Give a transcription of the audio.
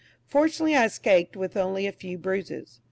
Fortunately I escaped with only a few bruises.